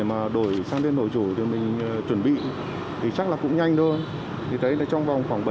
mà đổi sang tên đổi chủ thì mình chuẩn bị thì chắc là cũng nhanh thôi thì thấy là trong vòng khoảng